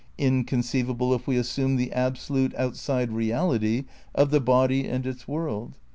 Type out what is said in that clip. Inconceivable if we assume the absolute, outside reaUty of the body and its world.